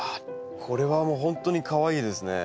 これはもう本当にかわいいですね。